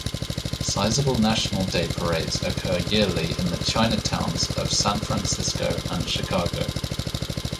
Sizable National Day parades occur yearly in the Chinatowns of San Francisco and Chicago.